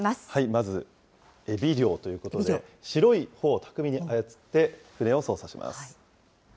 まず、エビ漁ということで、白い帆を巧みに操って船を操作します。